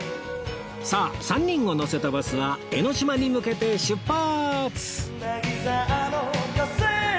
さあ３人を乗せたバスは江の島に向けて出発！